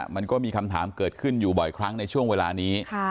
มันก็มีคำถามเกิดขึ้นอยู่บ่อยครั้งในช่วงเวลานี้